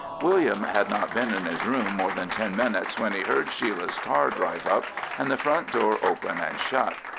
William had not been in his room more than ten minutes when he heard Sheila's car drive up, and the front door open and shut.